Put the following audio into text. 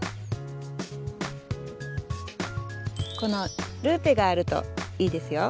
このルーペがあるといいですよ。